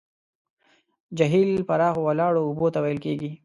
جهیل پراخو ولاړو اوبو ته ویل کیږي.